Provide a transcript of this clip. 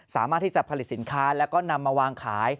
สามารถที่จะผลิตสินค้าแล้วก็นำมาวางขาย